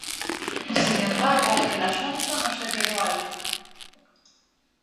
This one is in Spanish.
Sin embargo el asunto no se quedó ahí.